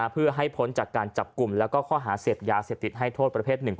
เพื่อให้พ้นจากการจับกลุ่มและข้อหาเสพยาเสพติดให้โทษประเภท๑